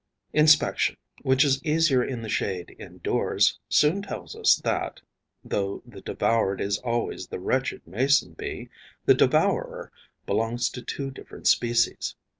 Inspection, which is easier in the shade indoors, soon tells us that, though the devoured is always the wretched Mason bee, the devourer belongs to two different species.